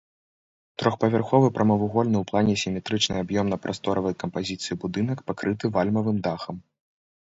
Трохпавярховы прамавугольны ў плане сіметрычнай аб'ёмна-прасторавай кампазіцыі будынак пакрыты вальмавым дахам.